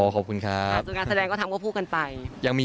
เป็นส่อปีนวัฒนภูมิ